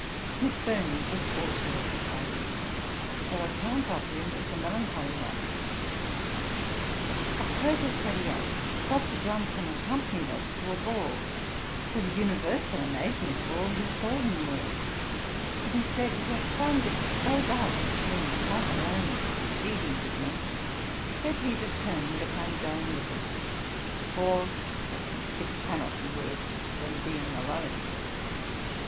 Miss Burney was also of the party. Her account of him is a melancholy one: 'Oct. 28. Dr. Johnson accompanied us to a ball, to the universal amazement of all who saw him there; but he said he had found it so dull being quite alone the preceding evening, that he determined upon going with us; "for," said he, "it cannot be worse than being alone."'